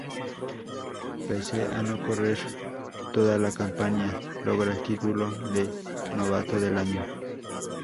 Pese a no correr toda la campaña, logra el título de Novato del Año.